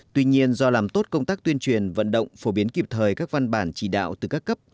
tuy nhiên do làm tốt công tác tuyên truyền vận động phổ biến kịp thời các văn bản chỉ đạo từ các cấp